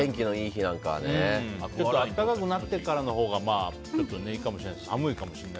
暖かくなってからのほうがちょっといいかもしれない。